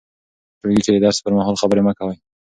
په ټولګي کې د درس پر مهال خبرې مه کوئ.